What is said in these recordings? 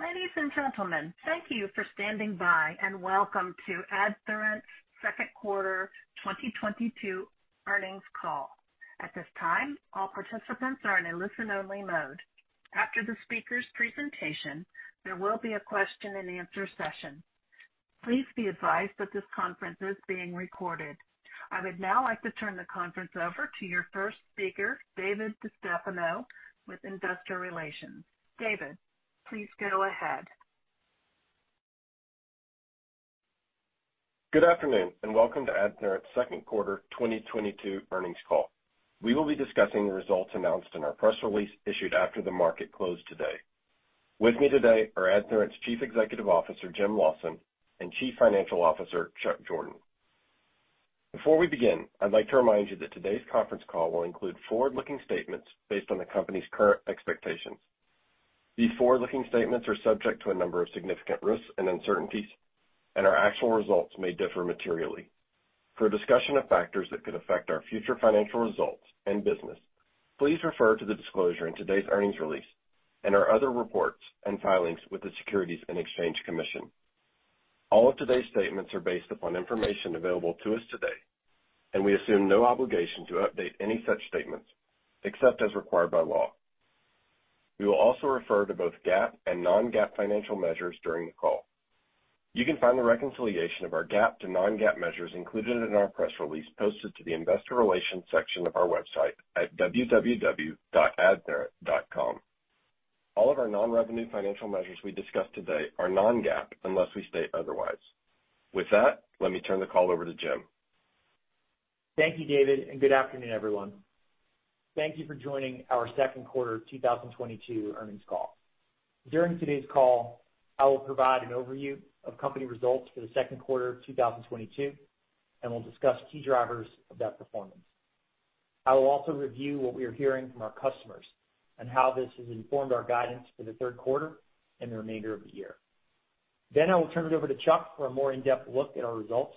Ladies and gentlemen, thank you for standing by, and welcome to AdTheorent's second quarter 2022 earnings call. At this time, all participants are in a listen-only mode. After the speaker's presentation, there will be a question-and-answer session. Please be advised that this conference is being recorded. I would now like to turn the conference over to your first speaker, David DiStefano with Investor Relations. David, please go ahead. Good afternoon, and welcome to AdTheorent's second quarter 2022 earnings call. We will be discussing the results announced in our press release issued after the market closed today. With me today are AdTheorent's Chief Executive Officer, Jim Lawson, and Chief Financial Officer, Chuck Jordan. Before we begin, I'd like to remind you that today's conference call will include forward-looking statements based on the company's current expectations. These forward-looking statements are subject to a number of significant risks and uncertainties, and our actual results may differ materially. For a discussion of factors that could affect our future financial results and business, please refer to the disclosure in today's earnings release and our other reports and filings with the Securities and Exchange Commission. All of today's statements are based upon information available to us today, and we assume no obligation to update any such statements except as required by law. We will also refer to both GAAP and non-GAAP financial measures during the call. You can find the reconciliation of our GAAP to non-GAAP measures included in our press release posted to the investor relations section of our website at www.adtheorent.com. All of our non-revenue financial measures we discuss today are non-GAAP unless we state otherwise. With that, let me turn the call over to Jim. Thank you, David, and good afternoon, everyone. Thank you for joining our second quarter 2022 earnings call. During today's call, I will provide an overview of company results for the second quarter of 2022, and we'll discuss key drivers of that performance. I will also review what we are hearing from our customers and how this has informed our guidance for the third quarter and the remainder of the year. I will turn it over to Chuck for a more in-depth look at our results,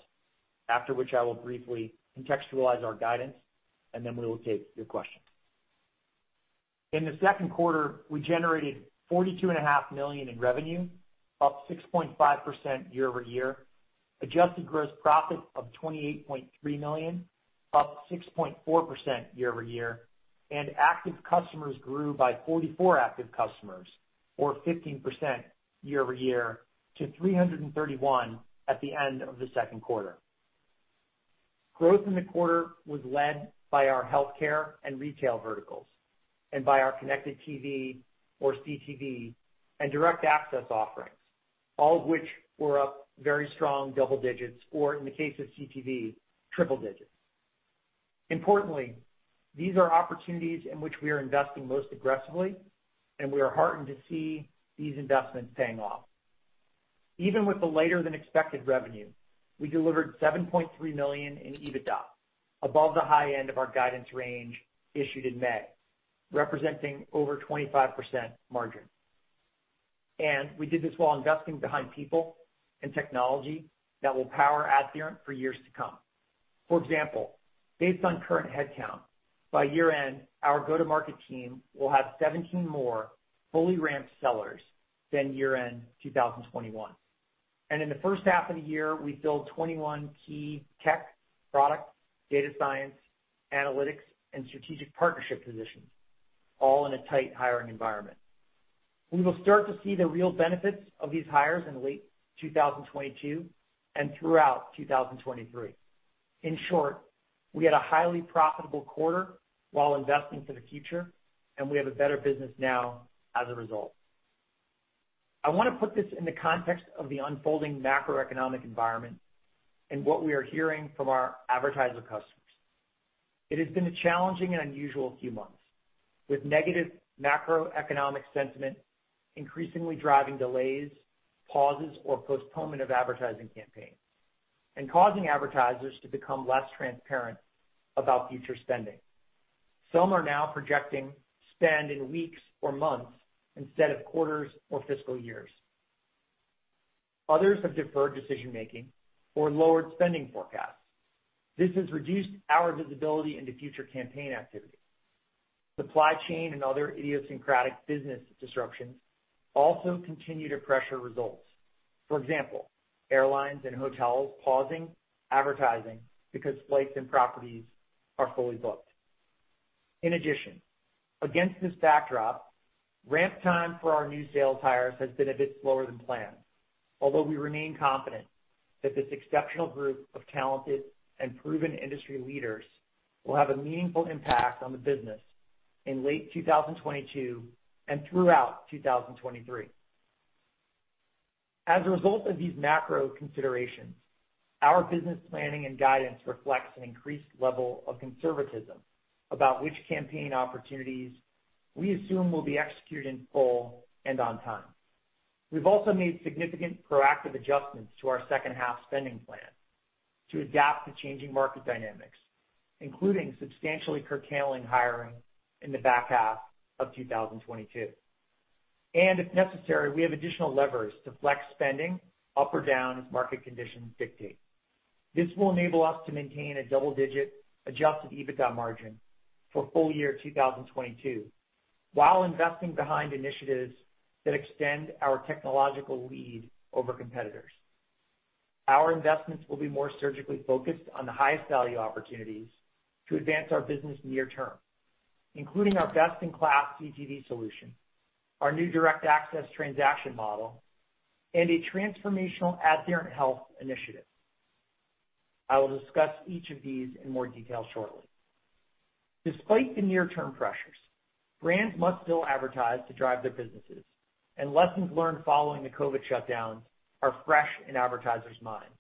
after which I will briefly contextualize our guidance, and then we will take your questions. In the second quarter, we generated $42,500,000 in revenue, up 6.5% year-over-year, adjusted gross profit of $28.3 million, up 6.4% year-over-year, and active customers grew by 44 active customers or 15% year-over-year to 331 at the end of the second quarter. Growth in the quarter was led by our healthcare and retail verticals and by our connected TV or CTV and Direct Access offerings, all of which were up very strong double digits or in the case of CTV, triple digits. Importantly, these are opportunities in which we are investing most aggressively, and we are heartened to see these investments paying off. Even with the later than expected revenue, we delivered $7.3 million in EBITDA above the high end of our guidance range issued in May, representing over 25% margin. We did this while investing behind people and technology that will power AdTheorent for years to come. For example, based on current headcount, by year-end, our go-to-market team will have 17 more fully ramped sellers than year-end 2021. In the first half of the year, we filled 21 key tech, product, data science, analytics, and strategic partnership positions, all in a tight hiring environment. We will start to see the real benefits of these hires in late 2022 and throughout 2023. In short, we had a highly profitable quarter while investing for the future, and we have a better business now as a result. I wanna put this in the context of the unfolding macroeconomic environment and what we are hearing from our advertiser customers. It has been a challenging and unusual few months, with negative macroeconomic sentiment increasingly driving delays, pauses, or postponement of advertising campaigns and causing advertisers to become less transparent about future spending. Some are now projecting spend in weeks or months instead of quarters or fiscal years. Others have deferred decision-making or lowered spending forecasts. This has reduced our visibility into future campaign activity. Supply chain and other idiosyncratic business disruptions also continue to pressure results. For example, airlines and hotels pausing advertising because flights and properties are fully booked. In addition, against this backdrop, ramp time for our new sales hires has been a bit slower than planned, although we remain confident that this exceptional group of talented and proven industry leaders will have a meaningful impact on the business in late 2022 and throughout 2023. As a result of these macro considerations, our business planning and guidance reflects an increased level of conservatism about which campaign opportunities we assume will be executed in full and on time. We've also made significant proactive adjustments to our second half spending plan to adapt to changing market dynamics, including substantially curtailing hiring in the back half of 2022. If necessary, we have additional levers to flex spending up or down as market conditions dictate. This will enable us to maintain a double-digit adjusted EBITDA margin for full year 2022, while investing behind initiatives that extend our technological lead over competitors. Our investments will be more surgically focused on the highest value opportunities to advance our business near term, including our best-in-class CTV solution, our new Direct Access transaction model, and a transformational AdTheorent Health initiative. I will discuss each of these in more detail shortly. Despite the near-term pressures, brands must still advertise to drive their businesses, and lessons learned following the COVID shutdown are fresh in advertisers' minds.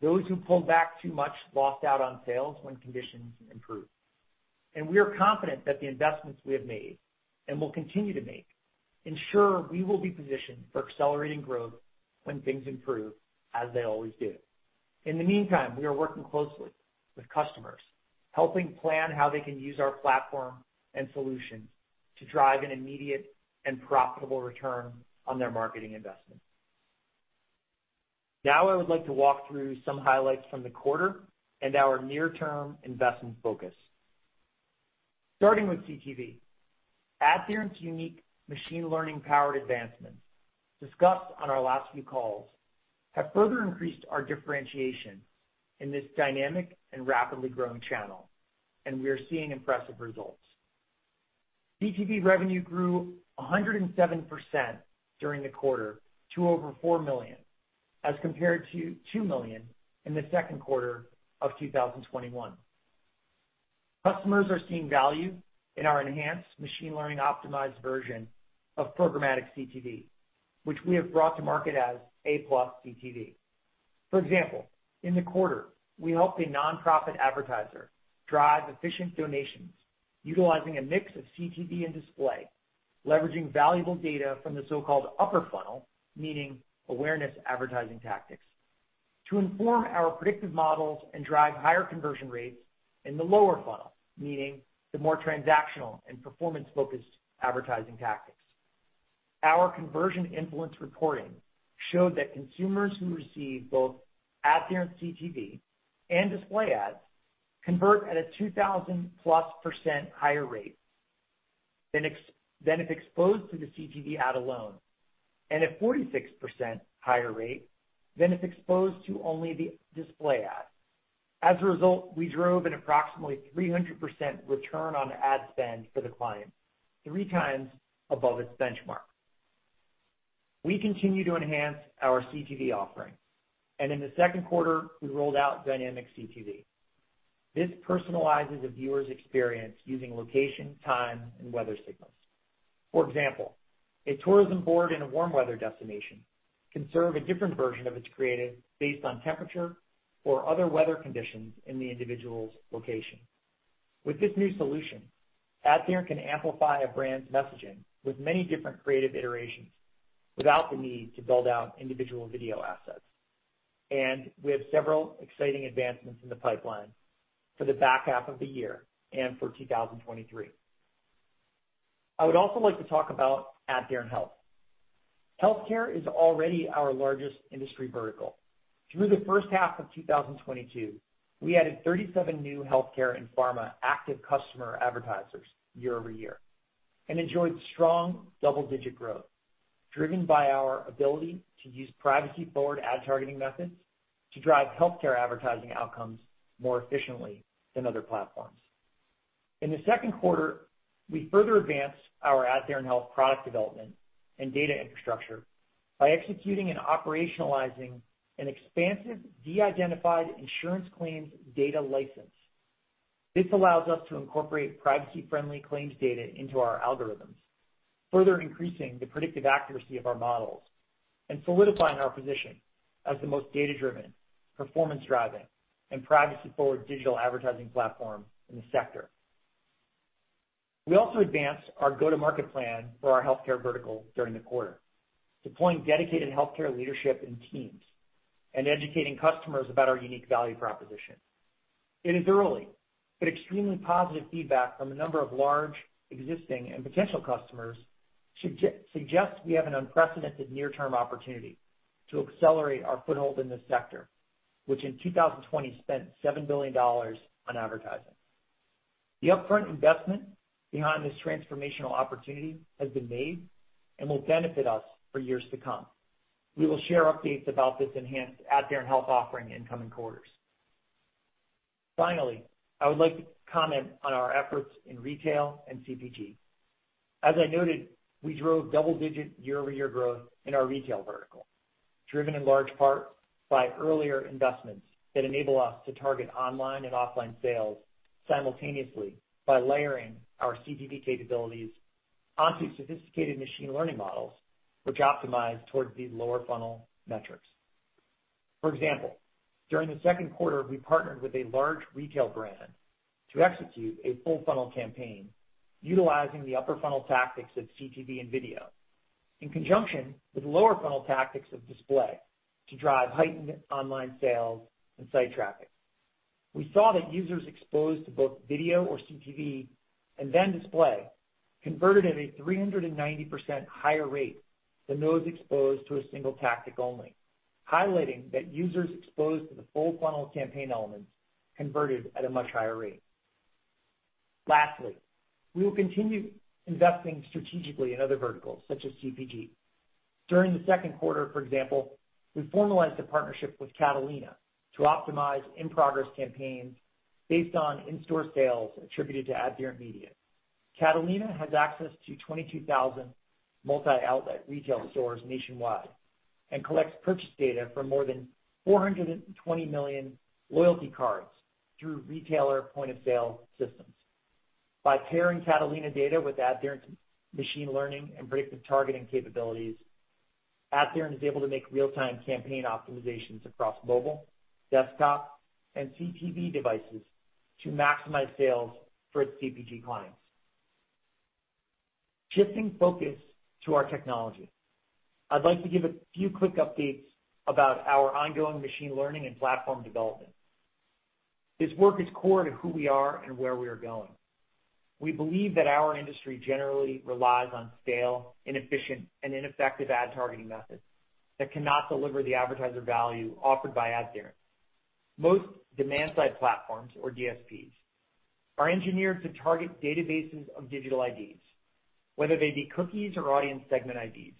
Those who pulled back too much lost out on sales when conditions improved. We are confident that the investments we have made and will continue to make ensure we will be positioned for accelerating growth when things improve as they always do. In the meantime, we are working closely with customers, helping plan how they can use our platform and solutions to drive an immediate and profitable return on their marketing investment. Now I would like to walk through some highlights from the quarter and our near-term investment focus. Starting with CTV. AdTheorent's unique machine learning-powered advancements discussed on our last few calls have further increased our differentiation in this dynamic and rapidly growing channel, and we are seeing impressive results. CTV revenue grew 107% during the quarter to over $4 million, as compared to $2 million in the second quarter of 2021. Customers are seeing value in our enhanced machine learning optimized version of programmatic CTV, which we have brought to market as A\Plus CTV. For example, in the quarter, we helped a nonprofit advertiser drive efficient donations utilizing a mix of CTV and display, leveraging valuable data from the so-called upper funnel, meaning awareness advertising tactics, to inform our predictive models and drive higher conversion rates in the lower funnel, meaning the more transactional and performance-focused advertising tactics. Our conversion influence reporting showed that consumers who receive both AdTheorent CTV and display ads convert at a 2,000%+ higher rate than if exposed to the CTV ad alone, and at 46% higher rate than if exposed to only the display ad. As a result, we drove an approximately 300% return on ad spend for the client, 3x above its benchmark. We continue to enhance our CTV offering, and in the second quarter, we rolled out dynamic CTV. This personalizes a viewer's experience using location, time, and weather signals. For example, a tourism board in a warm weather destination can serve a different version of its creative based on temperature or other weather conditions in the individual's location. With this new solution, AdTheorent can amplify a brand's messaging with many different creative iterations without the need to build out individual video assets, and we have several exciting advancements in the pipeline for the back half of the year and for 2023. I would also like to talk about AdTheorent Health. Healthcare is already our largest industry vertical. Through the first half of 2022, we added 37 new healthcare and pharma active customer advertisers year-over-year and enjoyed strong double-digit growth, driven by our ability to use privacy-forward ad targeting methods to drive healthcare advertising outcomes more efficiently than other platforms. In the second quarter, we further advanced our AdTheorent Health product development and data infrastructure by executing and operationalizing an expansive de-identified insurance claims data license. This allows us to incorporate privacy-friendly claims data into our algorithms, further increasing the predictive accuracy of our models and solidifying our position as the most data-driven, performance-driving, and privacy-forward digital advertising platform in the sector. We also advanced our go-to-market plan for our healthcare vertical during the quarter, deploying dedicated healthcare leadership and teams and educating customers about our unique value proposition. It is early, but extremely positive feedback from a number of large existing and potential customers suggests we have an unprecedented near-term opportunity to accelerate our foothold in this sector, which in 2020 spent $7 billion on advertising. The upfront investment behind this transformational opportunity has been made and will benefit us for years to come. We will share updates about this enhanced AdTheorent Health offering in coming quarters. Finally, I would like to comment on our efforts in retail and CPG. As I noted, we drove double-digit year-over-year growth in our retail vertical, driven in large part by earlier investments that enable us to target online and offline sales simultaneously by layering our CTV capabilities onto sophisticated machine learning models which optimize towards these lower funnel metrics. For example, during the second quarter, we partnered with a large retail brand to execute a full funnel campaign utilizing the upper funnel tactics of CTV and video in conjunction with lower funnel tactics of display to drive heightened online sales and site traffic. We saw that users exposed to both video or CTV and then display converted at a 390% higher rate than those exposed to a single tactic only, highlighting that users exposed to the full funnel campaign elements converted at a much higher rate. Lastly, we will continue investing strategically in other verticals such as CPG. During the second quarter, for example, we formalized a partnership with Catalina to optimize in-progress campaigns based on in-store sales attributed to AdTheorent media. Catalina has access to 22,000 multi-outlet retail stores nationwide and collects purchase data from more than 420 million loyalty cards through retailer point of sale systems. By pairing Catalina data with AdTheorent's machine learning and predictive targeting capabilities, AdTheorent is able to make real-time campaign optimizations across mobile, desktop, and CTV devices to maximize sales for its CPG clients. Shifting focus to our technology, I'd like to give a few quick updates about our ongoing machine learning and platform development. This work is core to who we are and where we are going. We believe that our industry generally relies on stale, inefficient, and ineffective ad targeting methods that cannot deliver the advertiser value offered by AdTheorent. Most demand-side platforms, or DSPs, are engineered to target databases of digital IDs, whether they be cookies or audience segment IDs.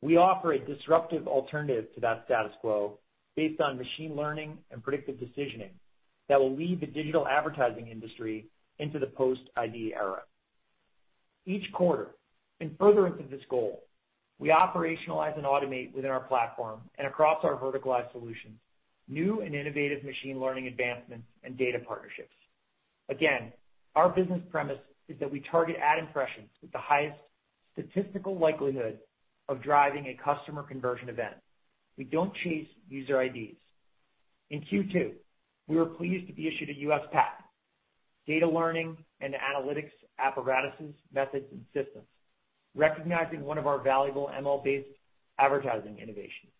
We offer a disruptive alternative to that status quo based on machine learning and predictive decisioning that will lead the digital advertising industry into the post-ID era. Each quarter, in furtherance of this goal, we operationalize and automate within our platform and across our verticalized solutions, new and innovative machine learning advancements and data partnerships. Again, our business premise is that we target ad impressions with the highest statistical likelihood of driving a customer conversion event. We don't chase user IDs. In Q2, we were pleased to be issued a U.S. patent, Data Learning and Analytics Apparatuses, Methods and Systems, recognizing one of our valuable ML-based advertising innovations,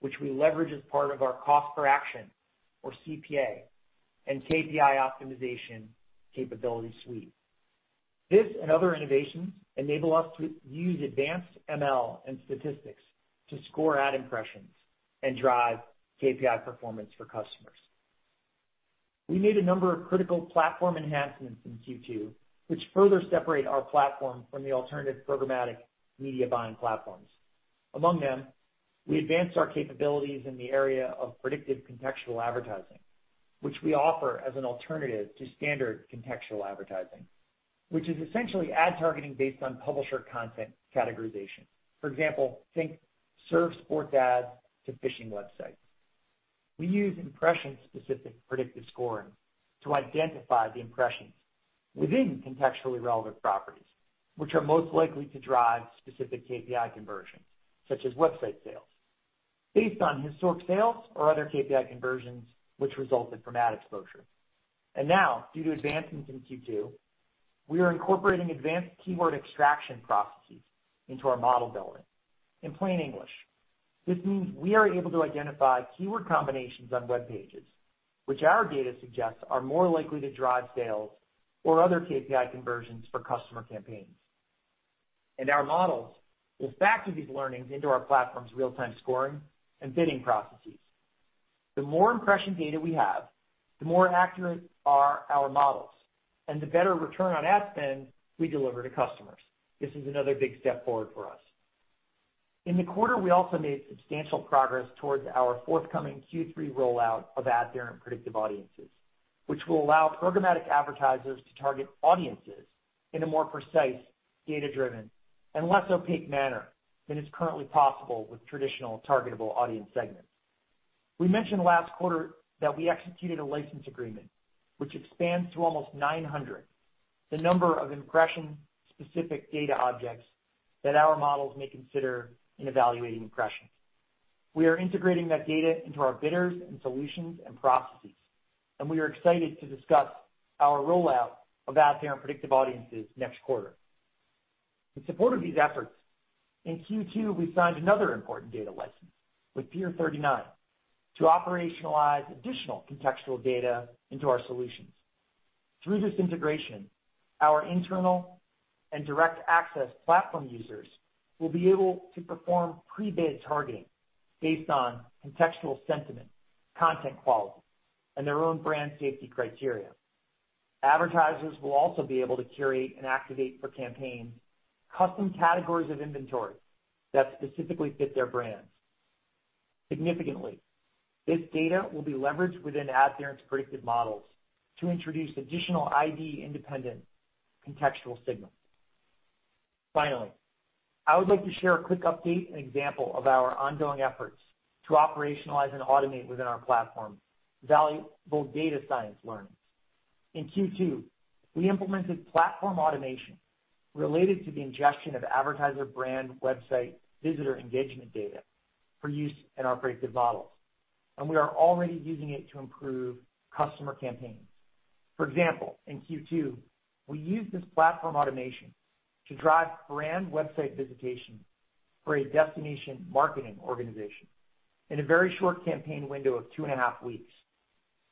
which we leverage as part of our cost per action, or CPA, and KPI optimization capability suite. This and other innovations enable us to use advanced ML and statistics to score ad impressions and drive KPI performance for customers. We made a number of critical platform enhancements in Q2, which further separate our platform from the alternative programmatic media buying platforms. Among them, we advanced our capabilities in the area of predictive contextual advertising, which we offer as an alternative to standard contextual advertising, which is essentially ad targeting based on publisher content categorization. For example, think surf sport ads to fishing websites. We use impression-specific predictive scoring to identify the impressions within contextually relevant properties, which are most likely to drive specific KPI conversions, such as website sales, based on historic sales or other KPI conversions which resulted from ad exposure. Now, due to advancements in Q2, we are incorporating advanced keyword extraction processes into our model building. In plain English, this means we are able to identify keyword combinations on web pages, which our data suggests are more likely to drive sales or other KPI conversions for customer campaigns. Our models will factor these learnings into our platform's real-time scoring and bidding processes. The more impression data we have, the more accurate are our models and the better return on ad spend we deliver to customers. This is another big step forward for us. In the quarter, we also made substantial progress towards our forthcoming Q3 rollout of AdTheorent Predictive Audiences, which will allow programmatic advertisers to target audiences in a more precise, data-driven, and less opaque manner than is currently possible with traditional targetable audience segments. We mentioned last quarter that we executed a license agreement which expands to almost 900 the number of impression-specific data objects that our models may consider in evaluating impressions. We are integrating that data into our bidders and solutions and processes, and we are excited to discuss our rollout of AdTheorent Predictive Audiences next quarter. In support of these efforts, in Q2, we signed another important data license with Peer39 to operationalize additional contextual data into our solutions. Through this integration, our internal and Direct Access platform users will be able to perform pre-bid targeting based on contextual sentiment, content quality, and their own brand safety criteria. Advertisers will also be able to curate and activate for campaigns custom categories of inventory that specifically fit their brands. Significantly, this data will be leveraged within AdTheorent's predictive models to introduce additional ID-independent contextual signals. Finally, I would like to share a quick update and example of our ongoing efforts to operationalize and automate within our platform valuable data science learnings. In Q2, we implemented platform automation related to the ingestion of advertiser brand website visitor engagement data for use in our predictive models, and we are already using it to improve customer campaigns. For example, in Q2, we used this platform automation to drive brand website visitation for a destination marketing organization. In a very short campaign window of two and a half weeks,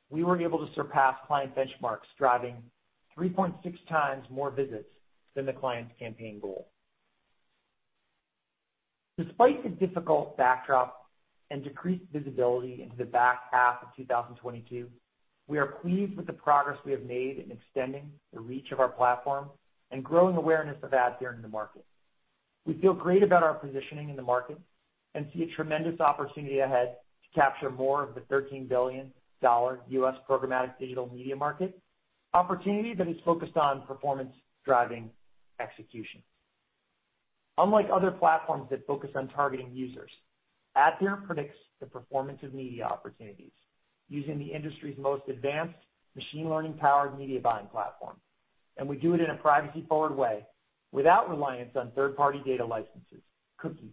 we were able to surpass client benchmarks, driving 3.6x more visits than the client's campaign goal. Despite the difficult backdrop and decreased visibility into the back half of 2022, we are pleased with the progress we have made in extending the reach of our platform and growing awareness of AdTheorent in the market. We feel great about our positioning in the market and see a tremendous opportunity ahead to capture more of the $13 billion U.S. programmatic digital media market, opportunity that is focused on performance-driving execution. Unlike other platforms that focus on targeting users, AdTheorent predicts the performance of media opportunities using the industry's most advanced machine learning-powered media buying platform. We do it in a privacy-forward way without reliance on third-party data licenses, cookies,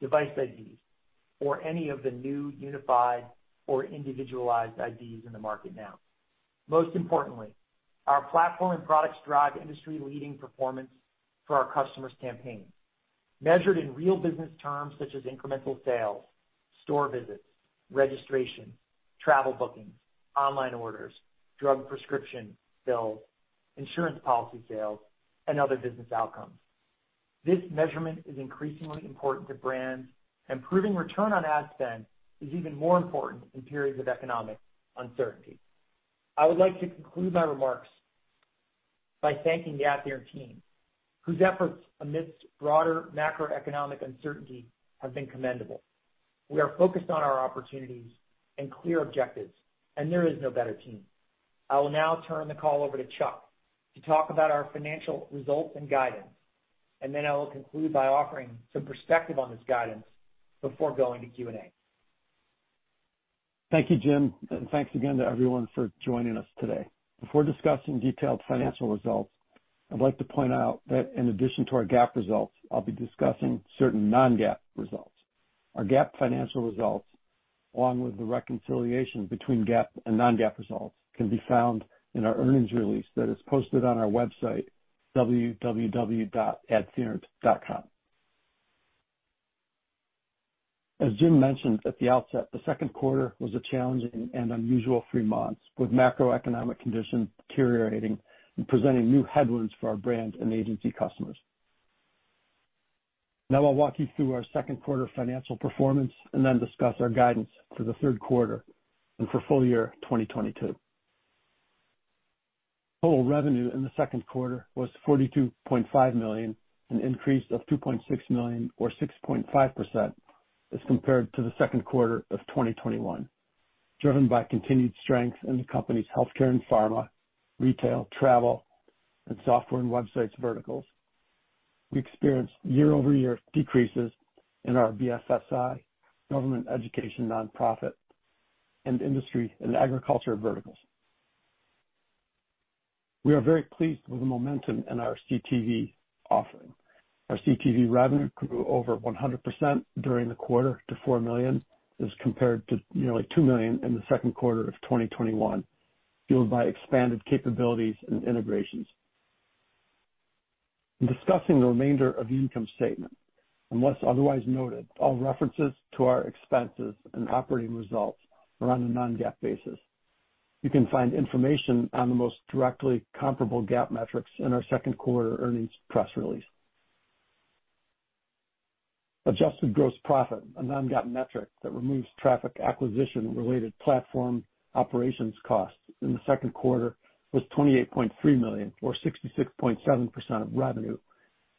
device IDs, or any of the new unified or individualized IDs in the market now. Most importantly, our platform and products drive industry-leading performance for our customers' campaigns, measured in real business terms such as incremental sales, store visits, registrations, travel bookings, online orders, drug prescription fills, insurance policy sales, and other business outcomes. This measurement is increasingly important to brands, and proving return on ad spend is even more important in periods of economic uncertainty. I would like to conclude my remarks by thanking the AdTheorent team, whose efforts amidst broader macroeconomic uncertainty have been commendable. We are focused on our opportunities and clear objectives, and there is no better team. I will now turn the call over to Chuck to talk about our financial results and guidance, and then I will conclude by offering some perspective on this guidance before going to Q&A. Thank you, Jim, and thanks again to everyone for joining us today. Before discussing detailed financial results, I'd like to point out that in addition to our GAAP results, I'll be discussing certain non-GAAP results. Our GAAP financial results, along with the reconciliation between GAAP and non-GAAP results, can be found in our earnings release that is posted on our website, www.adtheorent.com. As Jim mentioned at the outset, the second quarter was a challenging and unusual three months, with macroeconomic conditions deteriorating and presenting new headwinds for our brand and agency customers. Now I'll walk you through our second quarter financial performance and then discuss our guidance for the third quarter and for full year 2022. Total revenue in the second quarter was $42.5 million, an increase of $2.6 million or 6.5% as compared to the second quarter of 2021, driven by continued strength in the company's healthcare and pharma, retail, travel, and software and websites verticals. We experienced year-over-year decreases in our BFSI, government, education, nonprofit, and industry and agriculture verticals. We are very pleased with the momentum in our CTV offering. Our CTV revenue grew over 100% during the quarter to $4 million as compared to nearly $2 million in the second quarter of 2021, fueled by expanded capabilities and integrations. In discussing the remainder of the income statement, unless otherwise noted, all references to our expenses and operating results are on a non-GAAP basis. You can find information on the most directly comparable GAAP metrics in our second quarter earnings press release. Adjusted gross profit, a non-GAAP metric that removes traffic acquisition-related platform operations costs in the second quarter, was $28.3 million or 66.7% of revenue,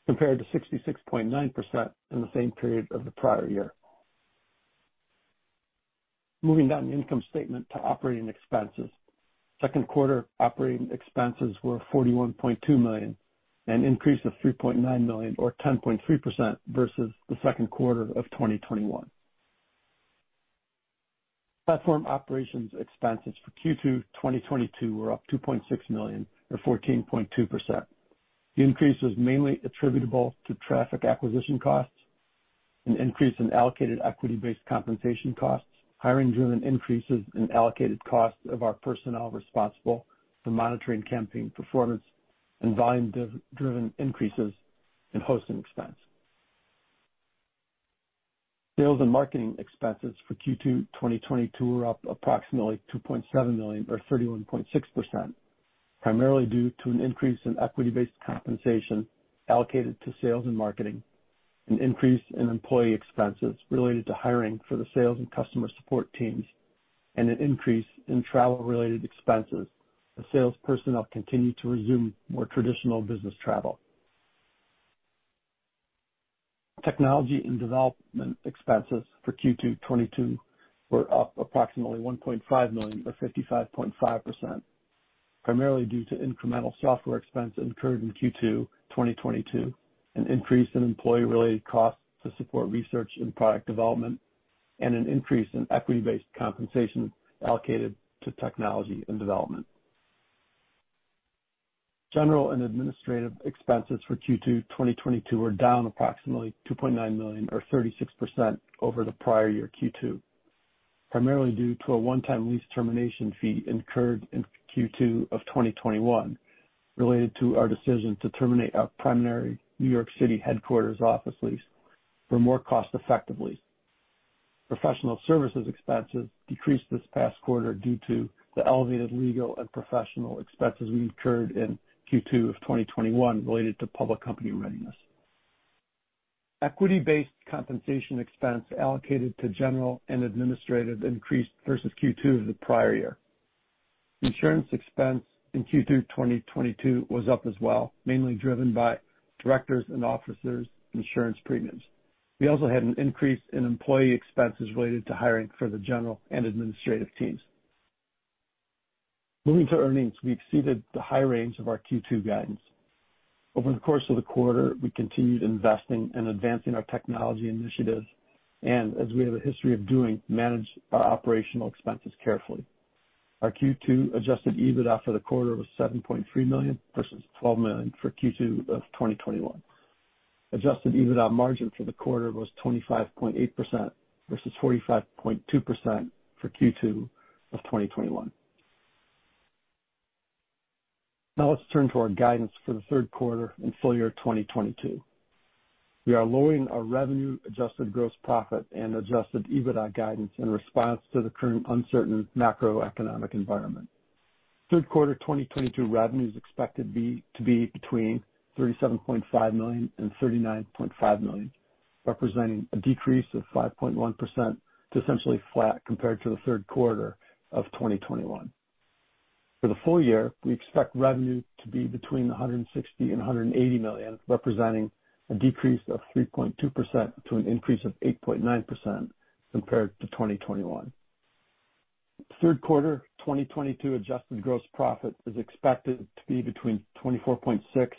compared to 66.9% in the same period of the prior year. Moving down the income statement to operating expenses. Second quarter operating expenses were $41.2 million, an increase of $3.9 million or 10.3% versus the second quarter of 2021. Platform operations expenses for Q2 2022 were up $2.6 million or 14.2%. The increase was mainly attributable to traffic acquisition costs, an increase in allocated equity-based compensation costs, hiring-driven increases in allocated costs of our personnel responsible for monitoring campaign performance, and volume-driven increases in hosting expense. Sales and marketing expenses for Q2 2022 were up approximately $2.7 million or 31.6%, primarily due to an increase in equity-based compensation allocated to sales and marketing, an increase in employee expenses related to hiring for the sales and customer support teams, and an increase in travel-related expenses as sales personnel continue to resume more traditional business travel. Technology and development expenses for Q2 2022 were up approximately $1.5 million or 55.5%, primarily due to incremental software expense incurred in Q2 2022, an increase in employee-related costs to support research and product development, and an increase in equity-based compensation allocated to technology and development. General and administrative expenses for Q2 2022 were down approximately $2.9 million or 36% over the prior-year Q2, primarily due to a one-time lease termination fee incurred in Q2 of 2021 related to our decision to terminate our primary New York City headquarters office lease for more cost effectively. Professional services expenses decreased this past quarter due to the elevated legal and professional expenses we incurred in Q2 of 2021 related to public company readiness. Equity-based compensation expense allocated to general and administrative increased versus Q2 of the prior year. Insurance expense in Q2 2022 was up as well, mainly driven by directors' and officers' insurance premiums. We also had an increase in employee expenses related to hiring for the general and administrative teams. Moving to earnings, we exceeded the high range of our Q2 guidance. Over the course of the quarter, we continued investing in advancing our technology initiatives, and as we have a history of doing, manage our operational expenses carefully. Our Q2 adjusted EBITDA for the quarter was $7.3 million versus $12 million for Q2 of 2021. Adjusted EBITDA margin for the quarter was 25.8% versus 45.2% for Q2 of 2021. Now let's turn to our guidance for the third quarter and full year 2022. We are lowering our revenue, adjusted gross profit, and adjusted EBITDA guidance in response to the current uncertain macroeconomic environment. Third quarter 2022 revenue is expected to be between $37.5 million and $39.5 million, representing a decrease of 5.1% to essentially flat compared to the third quarter of 2021. For the full year, we expect revenue to be between $160 million and $180 million, representing a decrease of 3.2% to an increase of 8.9% compared to 2021. Third quarter 2022 adjusted gross profit is expected to be between $24.6 million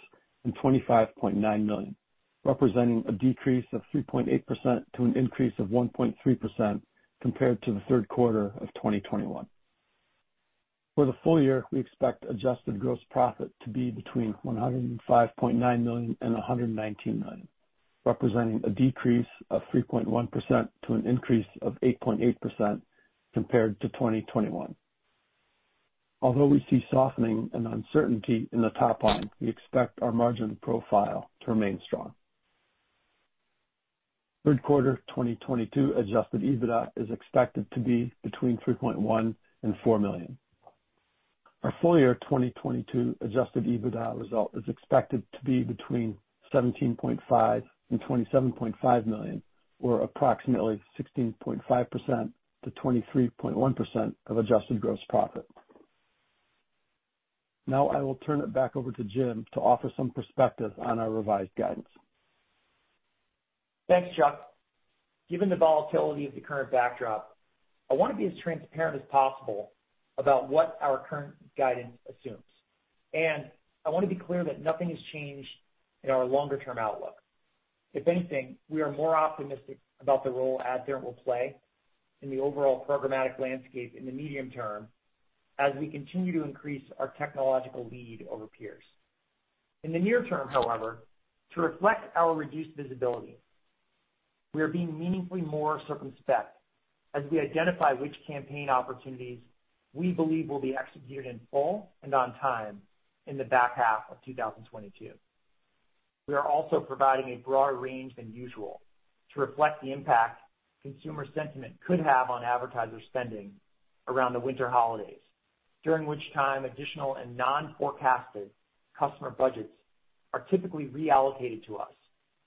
and $25.9 million, representing a decrease of 3.8% to an increase of 1.3% compared to the third quarter of 2021. For the full year, we expect adjusted gross profit to be between $105.9 million and $119 million, representing a decrease of 3.1% to an increase of 8.8% compared to 2021. Although we see softening and uncertainty in the top line, we expect our margin profile to remain strong. Third quarter 2022 adjusted EBITDA is expected to be between $3.1 million and $4 million. Our full year 2022 adjusted EBITDA result is expected to be between $17.5 million and $27.5 million, or approximately 16.5%-23.1% of adjusted gross profit. Now I will turn it back over to Jim to offer some perspective on our revised guidance. Thanks, Chuck. Given the volatility of the current backdrop, I want to be as transparent as possible about what our current guidance assumes. I want to be clear that nothing has changed in our longer-term outlook. If anything, we are more optimistic about the role AdTheorent will play in the overall programmatic landscape in the medium term as we continue to increase our technological lead over peers. In the near term, however, to reflect our reduced visibility, we are being meaningfully more circumspect as we identify which campaign opportunities we believe will be executed in full and on time in the back half of 2022. We are also providing a broader range than usual to reflect the impact consumer sentiment could have on advertiser spending around the winter holidays, during which time additional and non-forecasted customer budgets are typically reallocated to us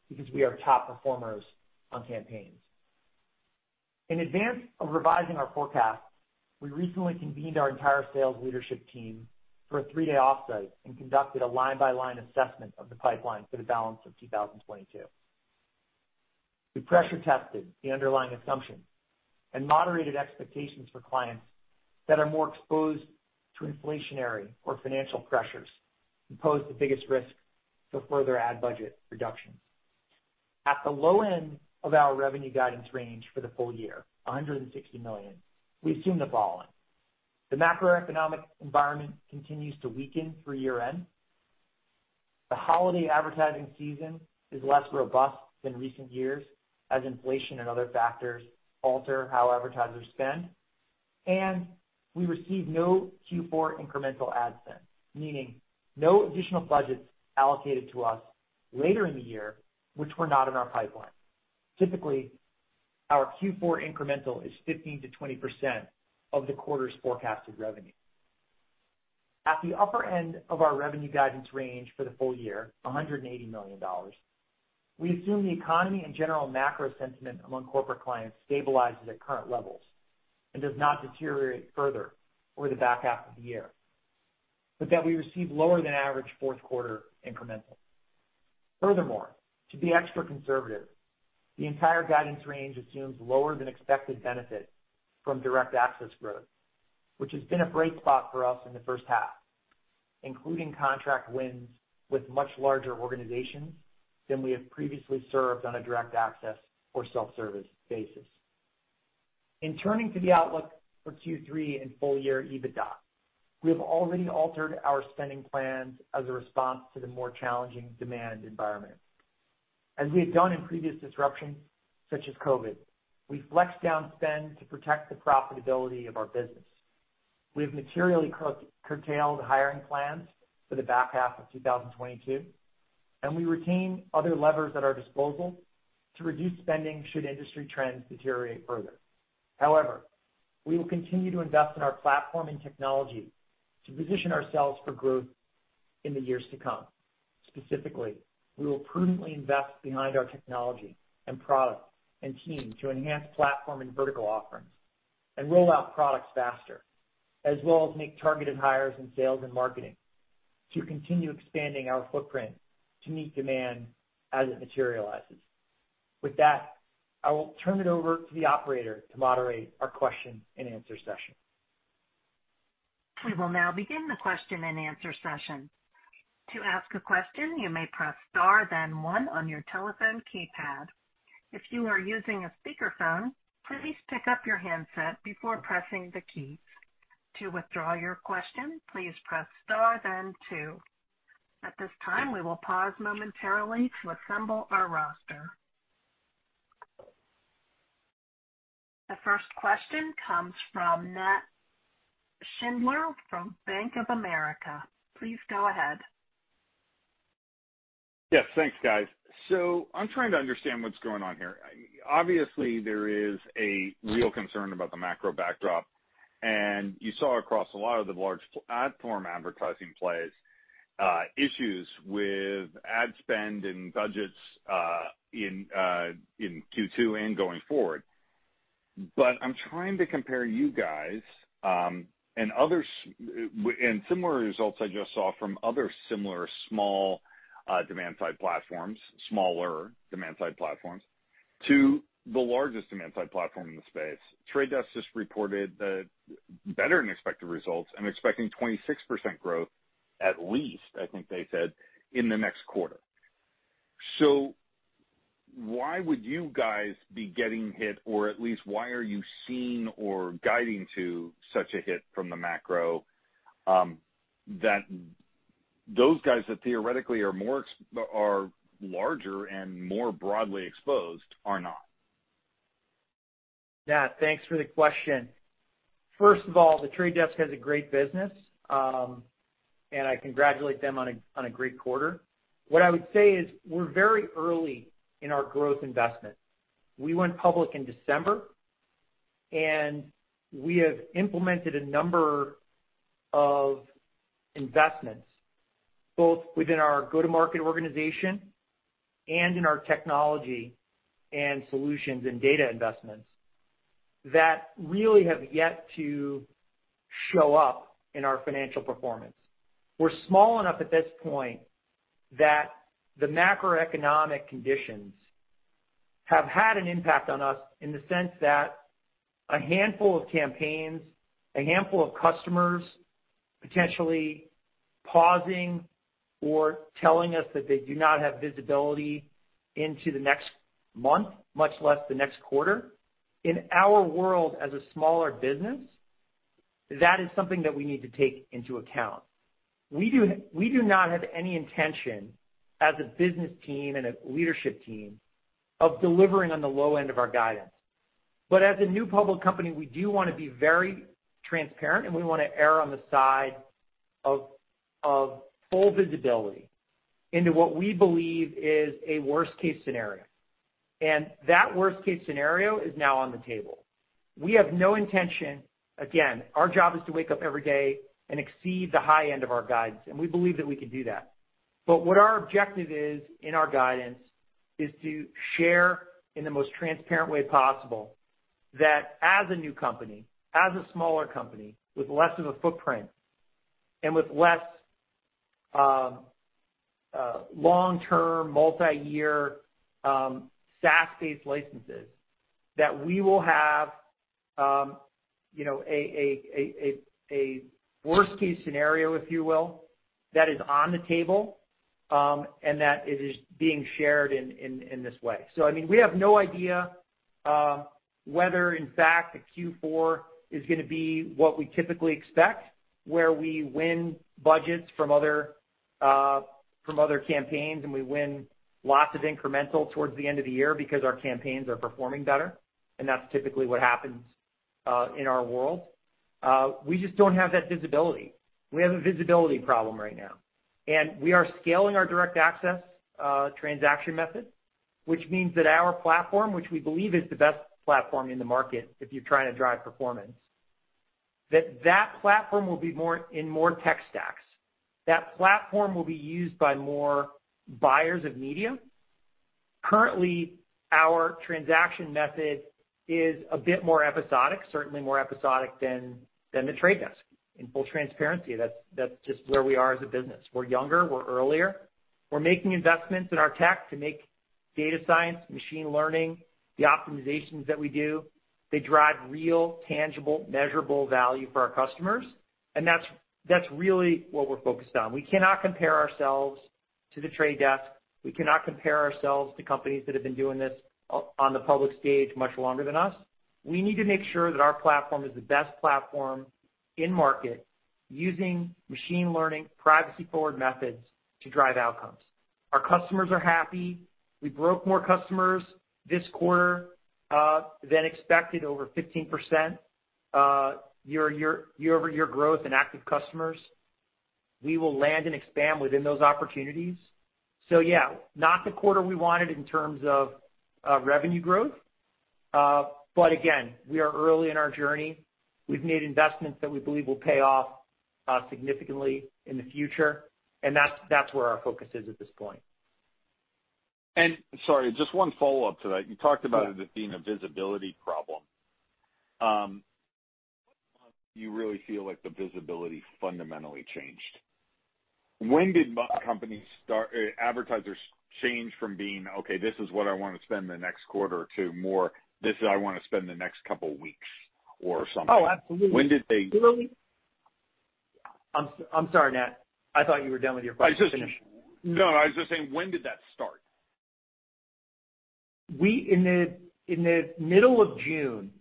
because we are top performers on campaigns. In advance of revising our forecast, we recently convened our entire sales leadership team for a three-day offsite and conducted a line-by-line assessment of the pipeline for the balance of 2022. We pressure tested the underlying assumptions and moderated expectations for clients that are more exposed to inflationary or financial pressures and pose the biggest risk for further ad budget reductions. At the low end of our revenue guidance range for the full year, $160 million, we assume the following. The macroeconomic environment continues to weaken through year-end. The holiday advertising season is less robust than recent years as inflation and other factors alter how advertisers spend, and we receive no Q4 incremental ad spend, meaning no additional budgets allocated to us later in the year, which were not in our pipeline. Typically, our Q4 incremental is 15%-20% of the quarter's forecasted revenue. At the upper end of our revenue guidance range for the full year, $180 million, we assume the economy and general macro sentiment among corporate clients stabilizes at current levels and does not deteriorate further over the back half of the year, but that we receive lower than average fourth quarter incremental. Furthermore, to be extra conservative, the entire guidance range assumes lower than expected benefit from Direct Access growth, which has been a bright spot for us in the first half, including contract wins with much larger organizations than we have previously served on a Direct Access or self-service basis. In turning to the outlook for Q3 and full year EBITDA, we have already altered our spending plans as a response to the more challenging demand environment. As we have done in previous disruptions such as COVID, we flexed down spend to protect the profitability of our business. We have materially curtailed hiring plans for the back half of 2022, and we retain other levers at our disposal to reduce spending should industry trends deteriorate further. However, we will continue to invest in our platform and technology to position ourselves for growth in the years to come. Specifically, we will prudently invest behind our technology and product and team to enhance platform and vertical offerings and roll out products faster, as well as make targeted hires in sales and marketing to continue expanding our footprint to meet demand as it materializes. With that, I will turn it over to the operator to moderate our question-and-answer session. We will now begin the question-and-answer session. To ask a question, you may press star then one on your telephone keypad. If you are using a speakerphone, please pick up your handset before pressing the keys. To withdraw your question, please press star then two. At this time, we will pause momentarily to assemble our roster. The first question comes from Nat Schindler from Bank of America. Please go ahead. Yes, thanks, guys. I'm trying to understand what's going on here. Obviously, there is a real concern about the macro backdrop, and you saw across a lot of the large Adform advertising plays, issues with ad spend and budgets, in Q2 and going forward. I'm trying to compare you guys and other similar results I just saw from other similar small demand-side platforms, smaller demand-side platforms, to the largest demand-side platform in the space. The Trade Desk just reported better-than-expected results and expecting 26% growth, at least, I think they said, in the next quarter. Why would you guys be getting hit, or at least why are you seeing or guiding to such a hit from the macro, that those guys that theoretically are larger and more broadly exposed are not? Nat, thanks for the question. First of all, The Trade Desk has a great business, and I congratulate them on a great quarter. What I would say is we're very early in our growth investment. We went public in December, and we have implemented a number of investments, both within our go-to-market organization and in our technology and solutions and data investments, that really have yet to show up in our financial performance. We're small enough at this point that the macroeconomic conditions have had an impact on us in the sense that a handful of campaigns, a handful of customers potentially pausing or telling us that they do not have visibility into the next month, much less the next quarter. In our world, as a smaller business, that is something that we need to take into account. We do not have any intention as a business team and a leadership team of delivering on the low end of our guidance. As a new public company, we do wanna be very transparent, and we wanna err on the side of full visibility into what we believe is a worst case scenario. That worst case scenario is now on the table. We have no intention. Again, our job is to wake up every day and exceed the high end of our guidance, and we believe that we can do that. What our objective is in our guidance is to share in the most transparent way possible that as a new company, as a smaller company with less of a footprint and with less long-term, multi-year SaaS-based licenses, that we will have, you know, a worst case scenario, if you will, that is on the table, and that it is being shared in this way. I mean, we have no idea whether in fact the Q4 is gonna be what we typically expect, where we win budgets from other campaigns, and we win lots of incremental towards the end of the year because our campaigns are performing better, and that's typically what happens in our world. We just don't have that visibility. We have a visibility problem right now. We are scaling our Direct Access transaction method, which means that our platform, which we believe is the best platform in the market if you're trying to drive performance, that platform will be more in more tech stacks. That platform will be used by more buyers of media. Currently, our transaction method is a bit more episodic, certainly more episodic than The Trade Desk. In full transparency, that's just where we are as a business. We're younger, we're earlier. We're making investments in our tech to make data science, machine learning, the optimizations that we do, they drive real, tangible, measurable value for our customers, and that's really what we're focused on. We cannot compare ourselves to The Trade Desk. We cannot compare ourselves to companies that have been doing this on the public stage much longer than us. We need to make sure that our platform is the best platform in market using machine learning privacy forward methods to drive outcomes. Our customers are happy. We brought more customers this quarter than expected, over 15%, year-over-year growth in active customers. We will land and expand within those opportunities. Yeah, not the quarter we wanted in terms of revenue growth, but again, we are early in our journey. We've made investments that we believe will pay off significantly in the future, and that's where our focus is at this point. Sorry, just one follow-up to that. You talked about it as being a visibility problem. You really feel like the visibility fundamentally changed. When did advertisers change from being, "Okay, this is what I want to spend the next quarter," to more, "This is I wanna spend the next couple weeks," or something. Oh, absolutely. When did they- I'm sorry, Nat. I thought you were done with your question. Finish. No, I was just saying, when did that start? In the middle of June,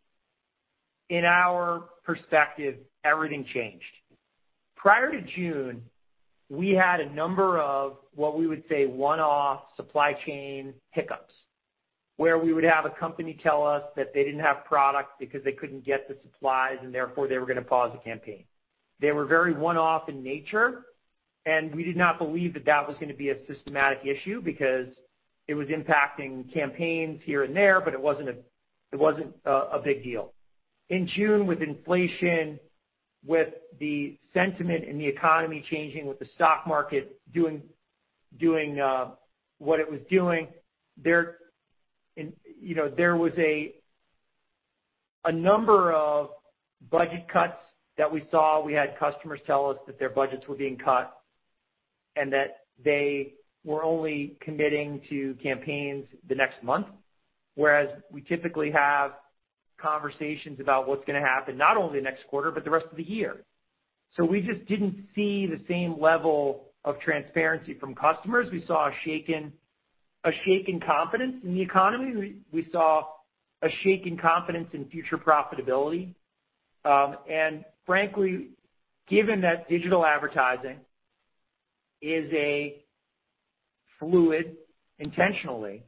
in our perspective, everything changed. Prior to June, we had a number of what we would say one-off supply chain hiccups, where we would have a company tell us that they didn't have product because they couldn't get the supplies and therefore they were gonna pause the campaign. They were very one-off in nature, and we did not believe that that was gonna be a systematic issue because it was impacting campaigns here and there, but it wasn't a big deal. In June, with inflation, with the sentiment in the economy changing, with the stock market doing what it was doing, you know, there was a number of budget cuts that we saw. We had customers tell us that their budgets were being cut, and that they were only committing to campaigns the next month, whereas we typically have conversations about what's gonna happen not only next quarter, but the rest of the year. We just didn't see the same level of transparency from customers. We saw a shaken confidence in the economy. We saw a shaken confidence in future profitability. Frankly, given that digital advertising is a fluid expenditure,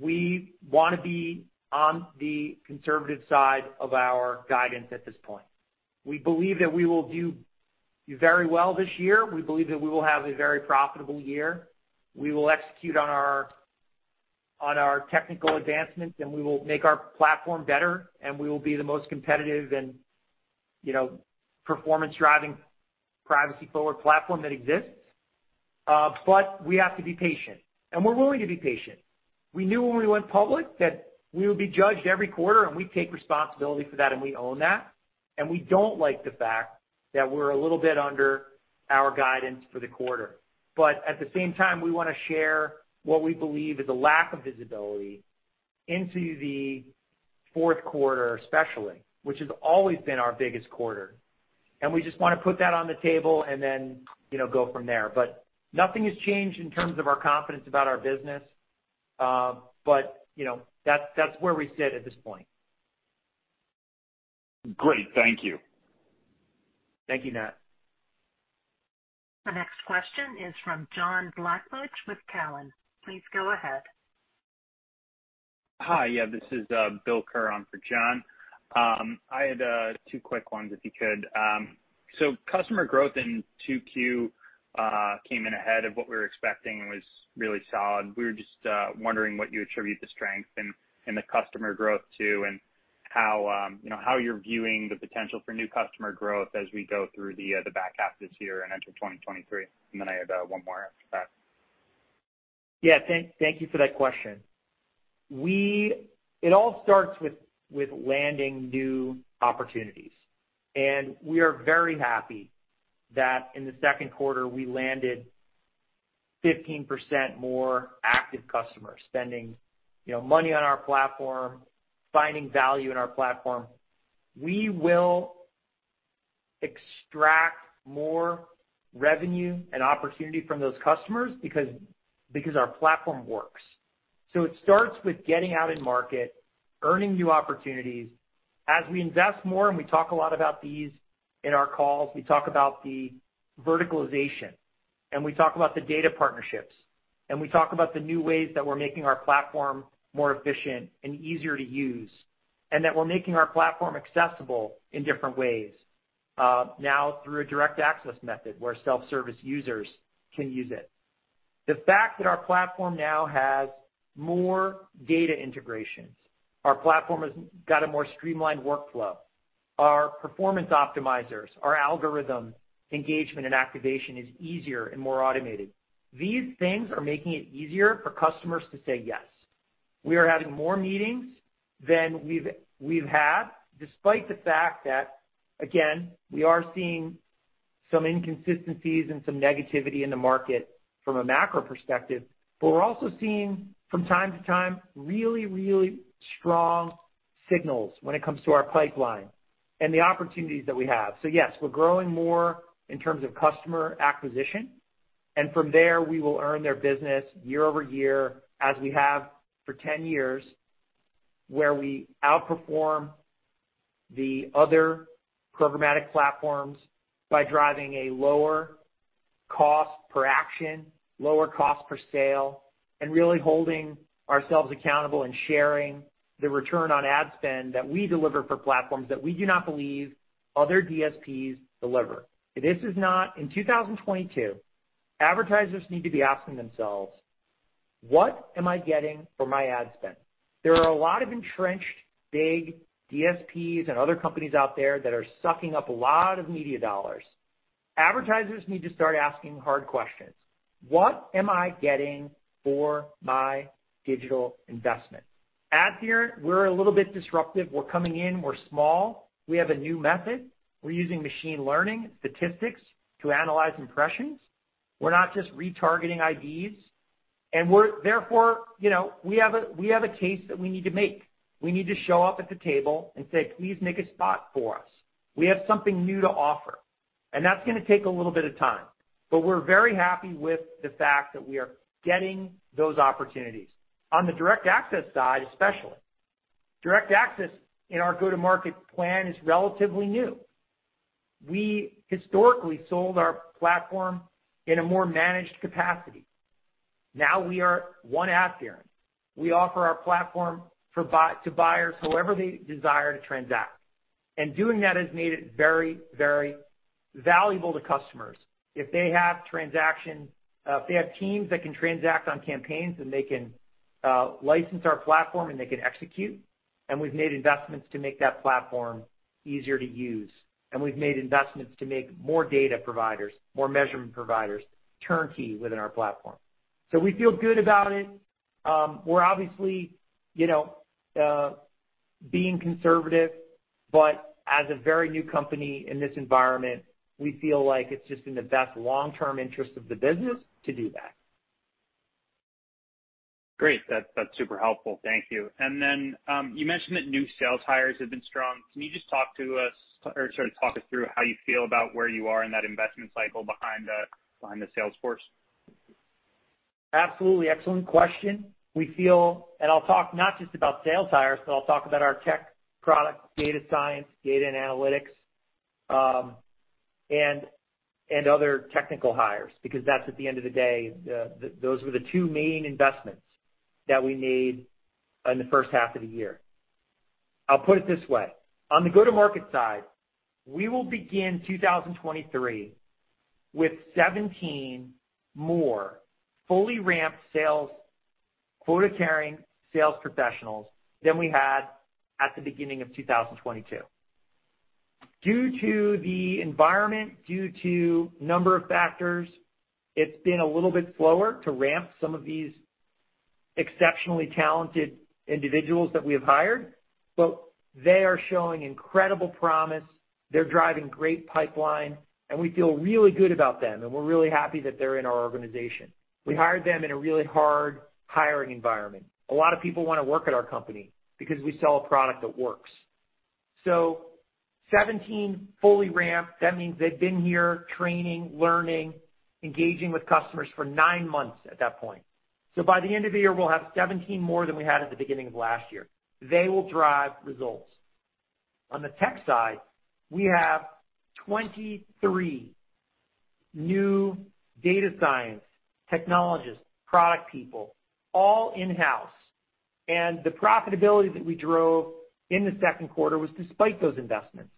we wanna be on the conservative side of our guidance at this point. We believe that we will do very well this year. We believe that we will have a very profitable year. We will execute on our technical advancements, and we will make our platform better, and we will be the most competitive and, you know, performance-driving privacy-forward platform that exists. We have to be patient, and we're willing to be patient. We knew when we went public that we would be judged every quarter, and we take responsibility for that, and we own that. We don't like the fact that we're a little bit under our guidance for the quarter. At the same time, we wanna share what we believe is a lack of visibility into the fourth quarter, especially, which has always been our biggest quarter. We just wanna put that on the table and then, you know, go from there. Nothing has changed in terms of our confidence about our business, but, you know, that's where we sit at this point. Great. Thank you. Thank you, Nat. The next question is from John Blackledge with Cowen. Please go ahead. Hi. Yeah, this is Bill Kirk on for John. I had two quick ones, if you could. Customer growth in 2Q came in ahead of what we were expecting and was really solid. We were just wondering what you attribute the strength and the customer growth to, and how you know how you're viewing the potential for new customer growth as we go through the back half of this year and enter 2023. I have one more after that. Thank you for that question. It all starts with landing new opportunities. We are very happy that in the second quarter, we landed 15% more active customers spending, you know, money on our platform, finding value in our platform. We will extract more revenue and opportunity from those customers because our platform works. It starts with getting out in market, earning new opportunities. As we invest more, we talk a lot about these in our calls. We talk about the verticalization, and we talk about the data partnerships, and we talk about the new ways that we're making our platform more efficient and easier to use, and that we're making our platform accessible in different ways, now through a Direct Access method where self-service users can use it. The fact that our platform now has more data integrations. Our platform has got a more streamlined workflow. Our performance optimizers, our algorithm engagement and activation is easier and more automated. These things are making it easier for customers to say yes. We are having more meetings than we've had, despite the fact that, again, we are seeing some inconsistencies and some negativity in the market from a macro perspective. We're also seeing from time to time really strong signals when it comes to our pipeline and the opportunities that we have. Yes, we're growing more in terms of customer acquisition, and from there, we will earn their business year-over-year as we have for 10 years, where we outperform the other programmatic platforms by driving a lower cost per action, lower cost per sale, and really holding ourselves accountable and sharing the return on ad spend that we deliver for platforms that we do not believe other DSPs deliver. In 2022, advertisers need to be asking themselves, what am I getting for my ad spend? There are a lot of entrenched, big DSPs and other companies out there that are sucking up a lot of media dollars. Advertisers need to start asking hard questions. What am I getting for my digital investment? AdTheorent, we're a little bit disruptive. We're coming in, we're small. We have a new method. We're using machine learning statistics to analyze impressions. We're not just retargeting IDs. Therefore, you know, we have a case that we need to make. We need to show up at the table and say, "Please make a spot for us." We have something new to offer, and that's gonna take a little bit of time. We're very happy with the fact that we are getting those opportunities. On the Direct Access side, especially. Direct Access in our go-to-market plan is relatively new. We historically sold our platform in a more managed capacity. Now we are one AdTheorent. We offer our platform to buyers, however they desire to transact. Doing that has made it very, very valuable to customers. If they have teams that can transact on campaigns, then they can license our platform and they can execute. We've made investments to make that platform easier to use. We've made investments to make more data providers, more measurement providers, turnkey within our platform. We feel good about it. We're obviously, you know, being conservative, but as a very new company in this environment, we feel like it's just in the best long-term interest of the business to do that. Great. That's super helpful. Thank you. You mentioned that new sales hires have been strong. Can you just talk us through how you feel about where you are in that investment cycle behind the sales force? Absolutely. Excellent question. We feel, and I'll talk not just about sales hires, but I'll talk about our tech product, data science, data and analytics, and other technical hires because that's, at the end of the day, those were the two main investments that we made in the first half of the year. I'll put it this way. On the go-to-market side, we will begin 2023 with 17 more fully ramped sales, quota-carrying sales professionals than we had at the beginning of 2022. Due to the environment, due to number of factors, it's been a little bit slower to ramp some of these exceptionally talented individuals that we have hired, but they are showing incredible promise. They're driving great pipeline, and we feel really good about them, and we're really happy that they're in our organization. We hired them in a really hard hiring environment. A lot of people wanna work at our company because we sell a product that works. Seventeen fully ramped, that means they've been here training, learning, engaging with customers for nine months at that point. By the end of the year, we'll have 17 more than we had at the beginning of last year. They will drive results. On the tech side, we have 23 new data science technologists, product people, all in-house. The profitability that we drove in the second quarter was despite those investments.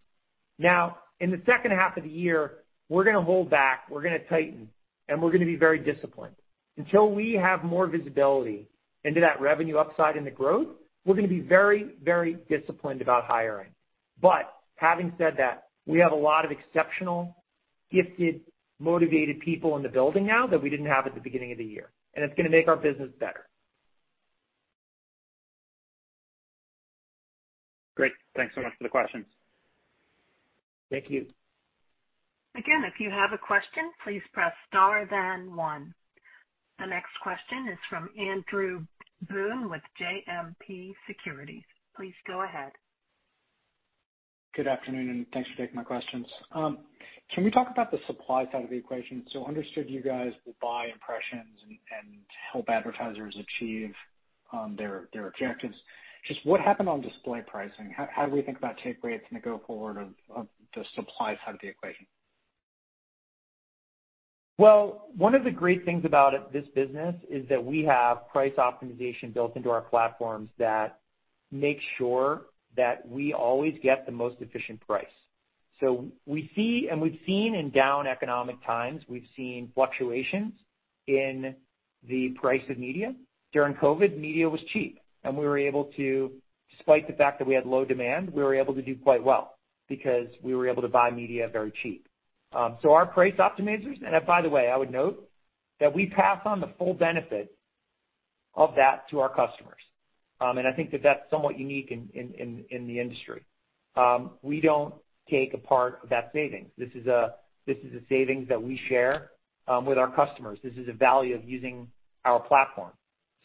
Now, in the second half of the year, we're gonna hold back, we're gonna tighten, and we're gonna be very disciplined. Until we have more visibility into that revenue upside and the growth, we're gonna be very, very disciplined about hiring. Having said that, we have a lot of exceptional, gifted, motivated people in the building now that we didn't have at the beginning of the year, and it's gonna make our business better. Great. Thanks so much for the questions. Thank you. Again, if you have a question, please press star then one. The next question is from Andrew Boone with JMP Securities. Please go ahead. Good afternoon, and thanks for taking my questions. Can we talk about the supply side of the equation? Understood you guys will buy impressions and help advertisers achieve their objectives. Just what happened on display pricing? How do we think about take rates in the going forward of the supply side of the equation? Well, one of the great things about this business is that we have price optimization built into our platforms that make sure that we always get the most efficient price. We see, and we've seen in down economic times, we've seen fluctuations in the price of media. During COVID, media was cheap, and we were able to, despite the fact that we had low demand, we were able to do quite well because we were able to buy media very cheap. Our price optimizers, and by the way, I would note that we pass on the full benefit of that to our customers. I think that that's somewhat unique in the industry. We don't take a part of that savings. This is a savings that we share with our customers. This is a value of using our platform.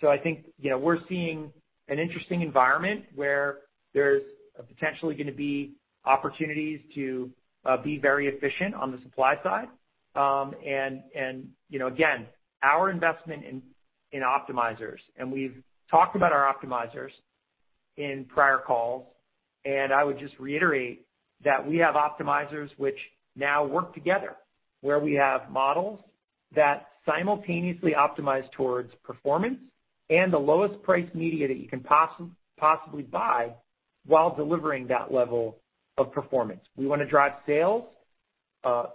I think, you know, we're seeing an interesting environment where there's potentially gonna be opportunities to be very efficient on the supply side. And, you know, again, our investment in optimizers, and we've talked about our optimizers in prior calls, and I would just reiterate that we have optimizers which now work together where we have models that simultaneously optimize towards performance and the lowest price media that you can possibly buy while delivering that level of performance. We wanna drive sales,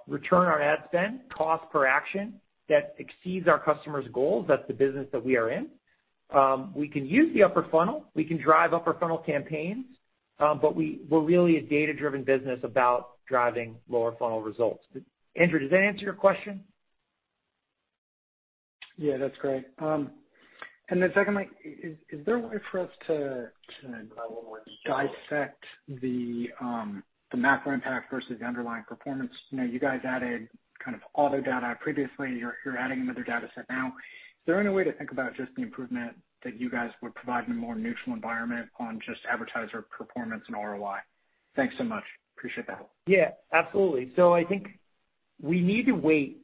return on ad spend, cost per action that exceeds our customers' goals. That's the business that we are in. We can use the upper funnel, we can drive upper funnel campaigns, but we're really a data-driven business about driving lower funnel results. Andrew, does that answer your question? Yeah, that's great. Secondly, is there a way for us to dissect the macro impact versus the underlying performance? You know, you guys added kind of all the data previously. You're adding another data set now. Is there any way to think about just the improvement that you guys would provide in a more neutral environment on just advertiser performance and ROI? Thanks so much. Appreciate that. Yeah, absolutely. I think we need to wait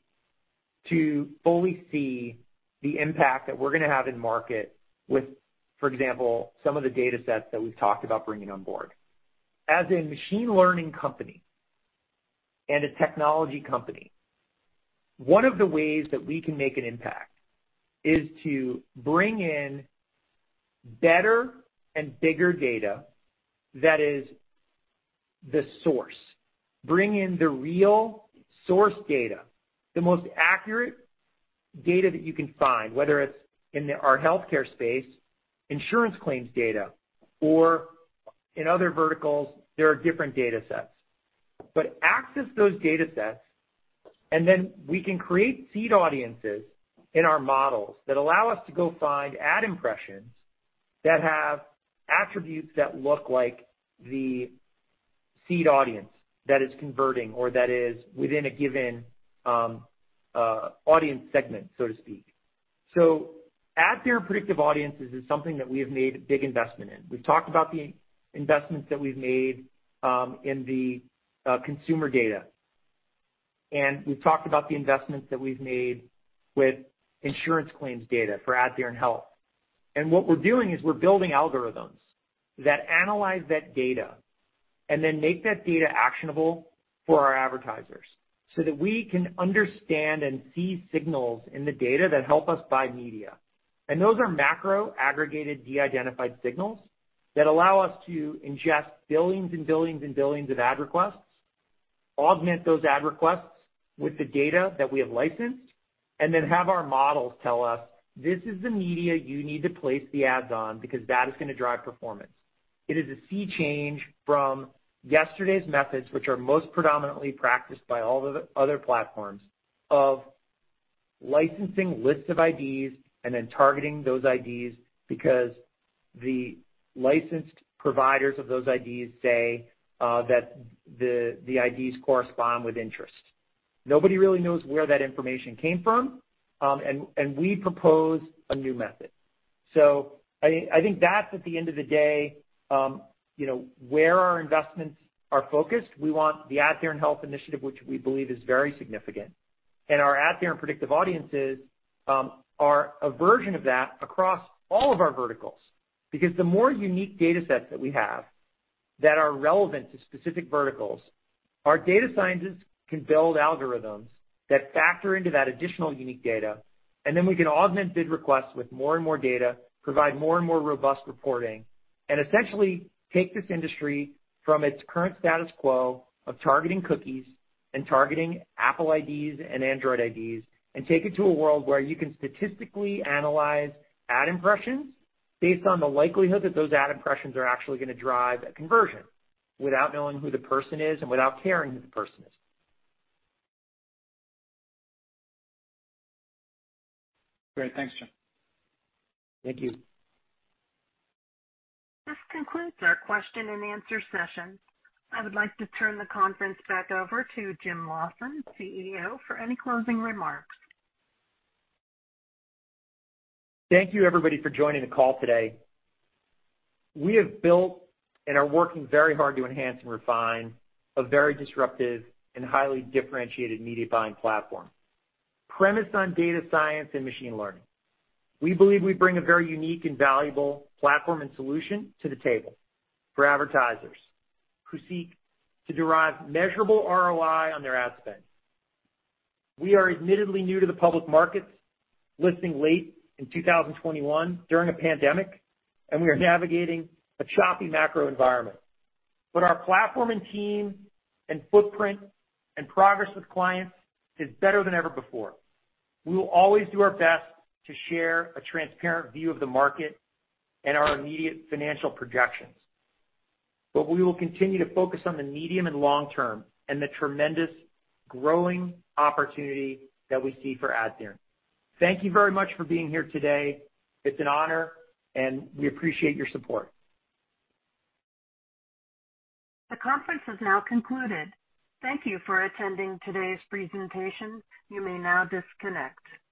to fully see the impact that we're gonna have in market with, for example, some of the datasets that we've talked about bringing on board. As a machine learning company and a technology company, one of the ways that we can make an impact is to bring in better and bigger data that is the source, bring in the real source data, the most accurate data that you can find, whether it's in our healthcare space, insurance claims data, or in other verticals, there are different datasets. Access those datasets, and then we can create seed audiences in our models that allow us to go find ad impressions that have attributes that look like the seed audience that is converting or that is within a given audience segment, so to speak. AdTheorent Predictive Audiences is something that we have made a big investment in. We've talked about the investments that we've made in the consumer data, and we've talked about the investments that we've made with insurance claims data for AdTheorent Health. What we're doing is we're building algorithms that analyze that data and then make that data actionable for our advertisers so that we can understand and see signals in the data that help us buy media. Those are macro aggregated, de-identified signals that allow us to ingest billions and billions and billions of ad requests, augment those ad requests with the data that we have licensed, and then have our models tell us, "This is the media you need to place the ads on because that is gonna drive performance." It is a sea change from yesterday's methods, which are most predominantly practiced by all other platforms, of licensing lists of IDs and then targeting those IDs because the licensed providers of those IDs say that the IDs correspond with interest. Nobody really knows where that information came from, and we propose a new method. I think that's, at the end of the day, you know, where our investments are focused. We want the AdTheorent Health initiative, which we believe is very significant. Our AdTheorent Predictive Audiences are a version of that across all of our verticals. Because the more unique datasets that we have that are relevant to specific verticals, our data scientists can build algorithms that factor into that additional unique data, and then we can augment bid requests with more and more data, provide more and more robust reporting, and essentially take this industry from its current status quo of targeting cookies and targeting Apple IDs and Android IDs and take it to a world where you can statistically analyze ad impressions based on the likelihood that those ad impressions are actually gonna drive a conversion without knowing who the person is and without caring who the person is. Great. Thanks, Jim. Thank you. This concludes our question and answer session. I would like to turn the conference back over to Jim Lawson, CEO, for any closing remarks. Thank you, everybody, for joining the call today. We have built and are working very hard to enhance and refine a very disruptive and highly differentiated media buying platform premised on data science and machine learning. We believe we bring a very unique and valuable platform and solution to the table for advertisers who seek to derive measurable ROI on their ad spend. We are admittedly new to the public markets, listing late in 2021 during a pandemic, and we are navigating a choppy macro environment. Our platform and team and footprint and progress with clients is better than ever before. We will always do our best to share a transparent view of the market and our immediate financial projections, but we will continue to focus on the medium and long term and the tremendous growing opportunity that we see for AdTheorent. Thank you very much for being here today. It's an honor, and we appreciate your support. The conference has now concluded. Thank you for attending today's presentation. You may now disconnect.